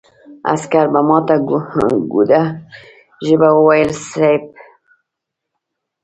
عسکر په ماته ګوډه ژبه وويل: صېب!